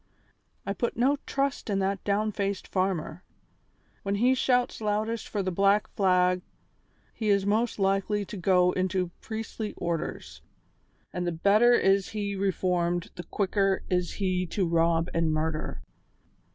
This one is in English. I put no trust in that downfaced farmer. When he shouts loudest for the black flag he is most likely to go into priestly orders, and the better is he reformed the quicker is he to rob and murder.